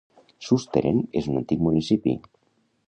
Susteren és un antic municipi.